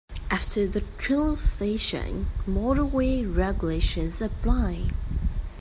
After the toll station, motorway regulations apply.